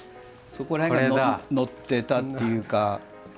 そこら辺がのってたっていうか。